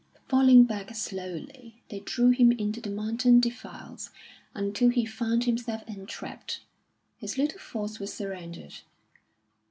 Falling back slowly, they drew him into the mountain defiles until he found himself entrapped. His little force was surrounded.